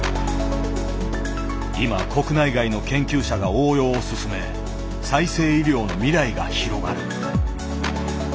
今国内外の研究者が応用を進め再生医療の未来が広がる。